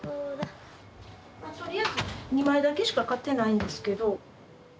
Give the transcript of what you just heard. とりあえず２枚だけしか買ってないんですけど。